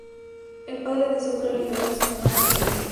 El padre de Soto era liberal y su mamá nacionalista.